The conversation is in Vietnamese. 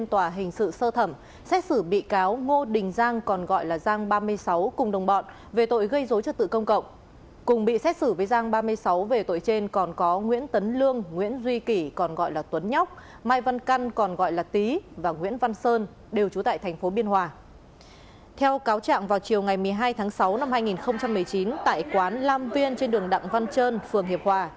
theo cáo trạng vào chiều ngày một mươi hai tháng sáu năm hai nghìn một mươi chín tại quán lam viên trên đường đặng văn trơn phường hiệp hòa